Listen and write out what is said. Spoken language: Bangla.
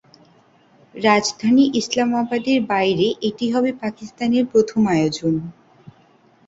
রাজধানী ইসলামাবাদের বাইরে এটি হবে পাকিস্তানের প্রথম আয়োজন।